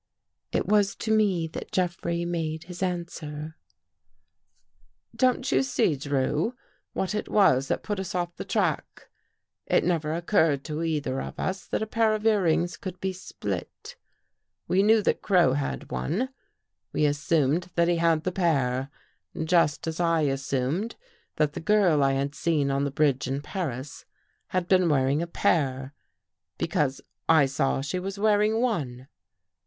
" It was to me that Jeffrey made his answer. 294 THE WATCHERS AND THE WATCHED " Don't you see, Drew, what it was that put us off the track? It never occurred to either of us that a pair of earrings could be split. We knew that Crow had one. We assumed that he had the pair. Just as I assumed that the girl I had seen on the bridge in Paris had been wearing a pair, because I saw she was wearing one."